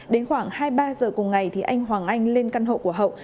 đến khoảng hai ba giờ cùng ngày thì anh hoàng anh lên căn hộ của hậu